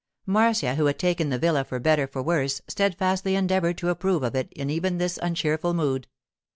Marcia, who had taken the villa for better, for worse, steadfastly endeavoured to approve of it in even this uncheerful mood.